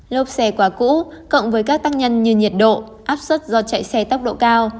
lốp xe quá cũ cộng với các tác nhân như nhiệt độ áp suất do chạy xe tốc độ cao